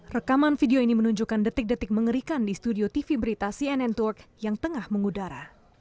rekaman video ini menunjukkan detik detik mengerikan di studio tv berita cnn turk yang tengah mengudara